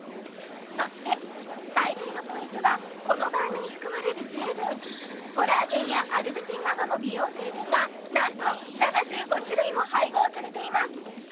そして最大のポイントがこのバームに含まれる成分コラーゲンやアルブチンなどの美容成分がなんと７５種類も配合されています